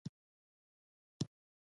تعلم او تربیه دواړه لاظم او ملظوم دي.